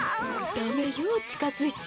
ダメよちかづいちゃ。